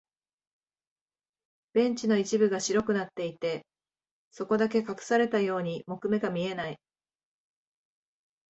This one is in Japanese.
ベンチの一部が白くなっていて、そこだけ隠されたように木目が見えない。